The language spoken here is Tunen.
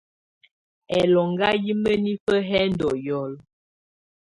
Ɛlɔŋgá yɛ́ mǝ́nifǝ́ yɛ́ ndɔ́ lulǝ́.